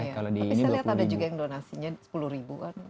tapi saya lihat ada juga yang donasinya sepuluh ribu